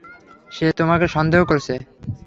সে তোমাকে সন্দেহ করছে।